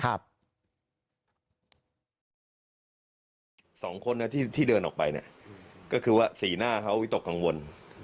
สองคนที่เดินออกไปเนี่ยก็คือว่าสีหน้าเขาวิตกกังวล